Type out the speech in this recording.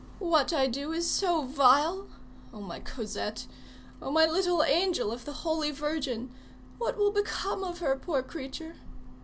What I do is so vile! Oh, my Cosette! Oh, my little angel of the Holy Virgin! what will become of her, poor creature?